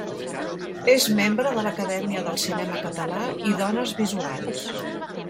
És membre de l'Acadèmia del Cinema Català i Dones Visuals.